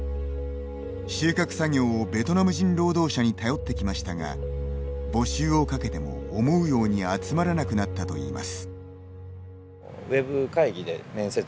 収穫作業をベトナム人労働者に頼ってきましたが募集をかけても思うように集まらなくなったといいます。